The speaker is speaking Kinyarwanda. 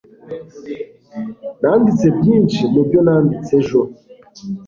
Nanditse byinshi mubyo nanditse ejo.